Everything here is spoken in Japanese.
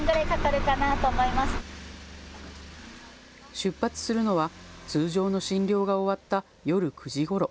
出発するのは通常の診療が終わった夜９時ごろ。